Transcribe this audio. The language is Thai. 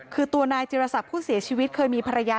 คือตัวนายจิรษะผู้เสียชีวิตเขามีภรรยา